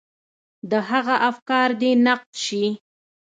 د هغه افکار دې نقد شي.